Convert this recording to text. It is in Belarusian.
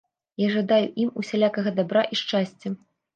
Я жадаю ім усялякага дабра і шчасця.